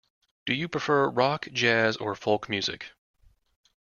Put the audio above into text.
Do you prefer rock, jazz, or folk music?